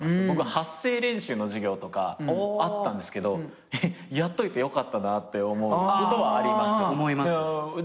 僕発声練習の授業とかあったんですけどやっといてよかったなって思うことはあります。